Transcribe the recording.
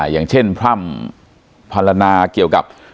อย่างเช่นพร่ำพันนาเกี่ยวกับ